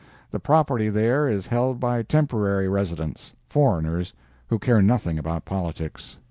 The property there is held by temporary residents—foreigners—who care nothing about politics.